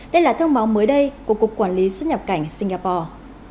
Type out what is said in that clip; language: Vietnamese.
đây là thông báo mới đây của cục quản lý xuất nhập cảnh singapore